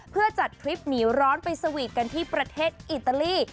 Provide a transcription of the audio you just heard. เพื่อจัดทริปหนีร้อนไปสวีทกันที่ประเทศอิตาลี